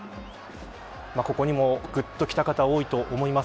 ここにもぐっときた方多いと思います。